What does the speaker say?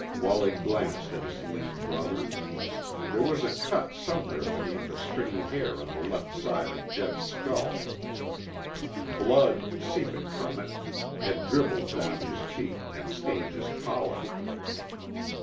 Wallie glanced at his lean brother. There was a cut somewhere beneath the stringy hair on the left side of Jeb's skull. Blood, seeping from it, had dribbled down his cheek and stained his collar.